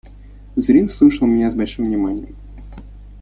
Зурин слушал меня с большим вниманием.